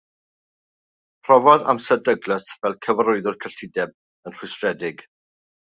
Profodd amser Douglas fel cyfarwyddwr cyllideb yn rhwystredig.